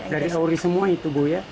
dari auri semua itu bu ya